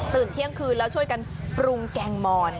เที่ยงคืนแล้วช่วยกันปรุงแกงมอน